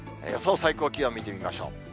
最高気温見てみましょう。